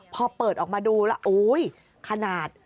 พอเปิดออกมาดูแล้วโอ๊ยขนาด